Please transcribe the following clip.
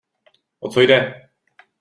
O co jde?